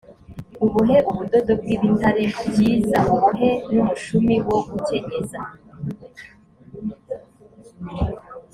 ubohe ubudodo bw’ibitare byiza ubohe n’umushumi wo gukenyeza